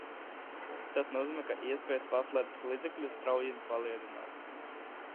Tas nozīmē, ka iespējas paslēpt līdzekļus strauji palielinās.